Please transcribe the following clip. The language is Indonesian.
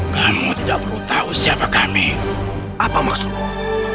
kamu tidak perlu tahu siapa kami apa maksudmu